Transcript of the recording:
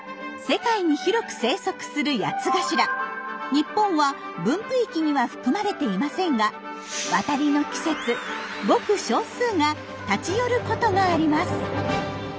日本は分布域には含まれていませんが渡りの季節ごく少数が立ち寄ることがあります。